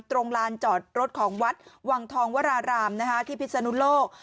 ลานจอดรถของวัดวังทองวรารามที่พิศนุโลก